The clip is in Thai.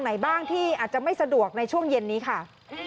ไหนบ้างที่อาจจะไม่สะดวกในช่วงเย็นนี้ค่ะ